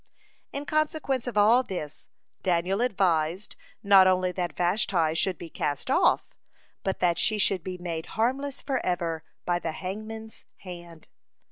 (45) In consequence of all this, Daniel advised, not only that Vashti should be cast off, but that she should be made harmless forever by the hangman's hand.